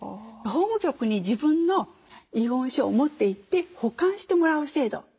法務局に自分の遺言書を持っていって保管してもらう制度。